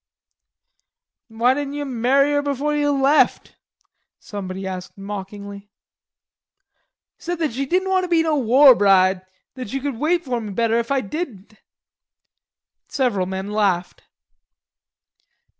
"Why didn't you marry her before you left?" somebody asked mockingly. "Said she didn't want to be no war bride, that she could wait for me better if I didn't." Several men laughed.